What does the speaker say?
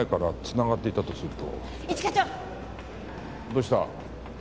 どうした？